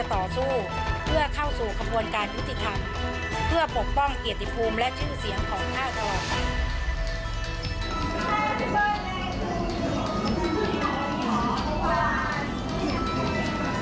เพื่อปกป้องเกียรติภูมิและชื่อเสียงของข้าทุกวัน